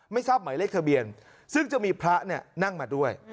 ไม่ทราบหมายเลขทะเบียนซึ่งจะมีพระนั่งมาด้วย